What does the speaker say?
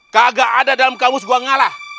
kagak ada dalam kamus gua ngalah